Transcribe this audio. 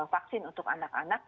vaksin untuk anak anak